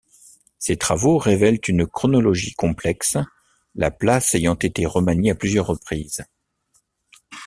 Ces travaux révèlent une chronologie complexe, la place ayant été remaniée à plusieurs reprises.